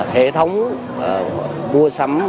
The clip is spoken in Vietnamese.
hệ thống mua sắm